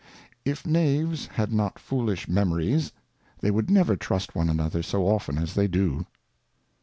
If Knaves had not foolish Memories, they would never trust one another so often as they do.